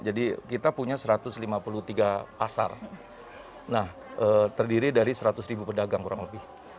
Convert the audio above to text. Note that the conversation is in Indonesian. jadi kita punya satu ratus lima puluh tiga pasar nah terdiri dari seratus ribu pedagang kurang lebih